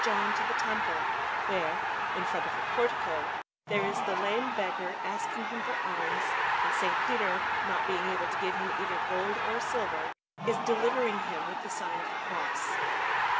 John to the Temple, where, in front of the portico, there is the lame beggar asking him for alms, and S. Peter, not being able to give him either gold or silver, is delivering him with the sign of the Cross.